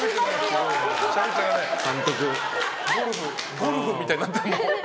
ゴルフみたいになってる。